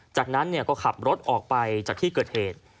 จากนั้นก็ขับรถออกไปจากที่เกิดเหตุ